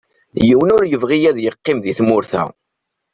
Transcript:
Yiwen ur yebɣi ad yeqqim di tmurt-a.